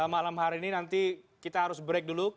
malam hari ini nanti kita harus break dulu